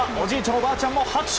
おばあちゃんも拍手。